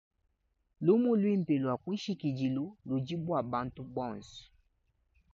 Lumu luimpe lua kunshikidilu ludi bua bantu bonso.